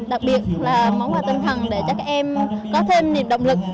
đặc biệt là món quà tân thẳng để cho các em có thêm niềm động lực